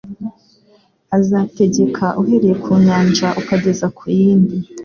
"Azategeka uhereye ku nyanja ukageza ku yindi;